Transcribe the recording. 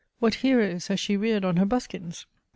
What heroes has she reared on her buskins?